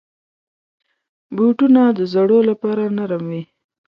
بوټونه د زړو لپاره نرم وي.